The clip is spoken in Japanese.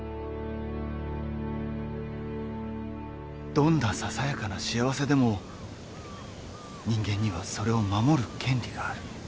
どんなささやかな幸せでも人間にはそれを守る権利がある。